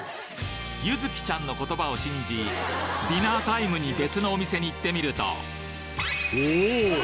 ユズキちゃんの言葉を信じディナータイムに別のお店に行ってみるとおお！